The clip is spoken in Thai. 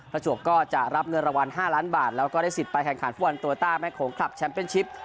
ประจวบก็จะรับเงินรางวัล๕ล้านบาทแล้วก็ได้สิทธิ์ไปแข่งขันฟุตบอลโตต้าแม่โขงคลับแชมป์เป็นชิป